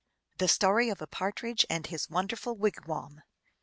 The Story of a Partridge and his Wonderful Wigwam.